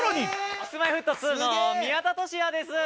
Ｋｉｓ−Ｍｙ−Ｆｔ２の宮田俊哉です。